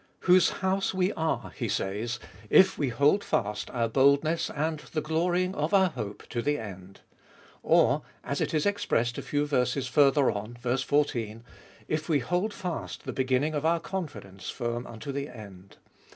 Whose house we are, he says, If we hold fast our boldness and the glorying of our hope firm to the end. Or, as it is expressed a few verses further on (ver. 14) If we hold fast the beginning of our confidence firm unto the end.